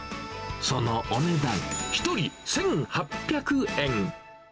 そのお値段、１人１８００円。